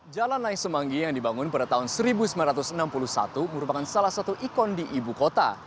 jalan naik semanggi yang dibangun pada tahun seribu sembilan ratus enam puluh satu merupakan salah satu ikon di ibu kota